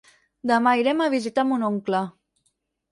Demà irem a visitar mon oncle.